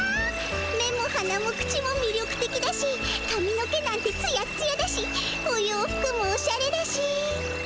目も鼻も口もみりょくてきだしかみの毛なんてツヤッツヤだしお洋服もオシャレだし！